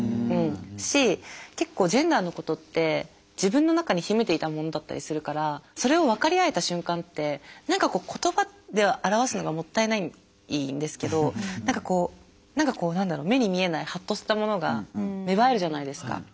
し結構ジェンダーのことって自分の中に秘めていたものだったりするからそれを分かり合えた瞬間って何かこう言葉では表すのがもったいないんですけど何かこう何だろう目に見えないハッとしたものが芽生えるじゃないですか。